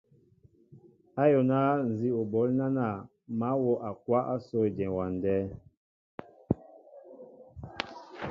Ayólná nzí o ɓoól nánȃ mă wóʼakwáʼ ásó éjem ewándέ.